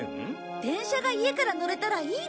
電車が家から乗れたらいいでしょ？